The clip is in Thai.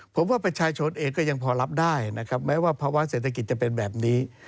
ผมว่าประชาชนเองก็ยังพอรับได้นะครับแม้ว่าภาวะเศรษฐกิจจะเป็นแบบนี้